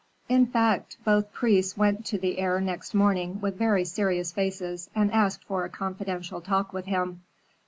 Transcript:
In fact, both priests went to the heir next morning with very serious faces, and asked for a confidential talk with him.